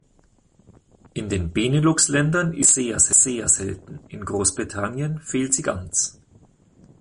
In den Beneluxländern ist die Art sehr selten, in Großbritannien fehlt sie ganz.